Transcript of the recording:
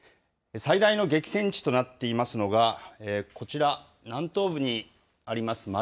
最大の激戦地となっていますのが、こちら、南東部にあります